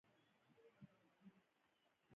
سپین ږیری د خپلو خلکو د امنیت ساتونکي دي